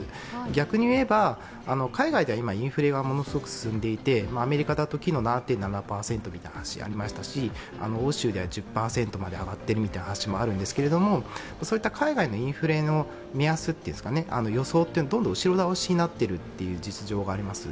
逆に言えば、海外では今、インフレがものすごく進んでいてアメリカの７．７％みたいな話もありましたし欧州では１０％まで上がっているという話もありますけれども、そういった海外のインフレの目安というんですか、予想はどんどん後ろ倒しになっているという実情があります。